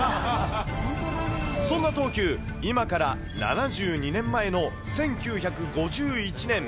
そんな東急、今から７２年前の１９５１年。